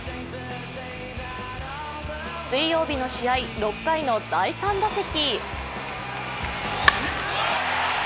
水曜日の試合、６回の第３打席。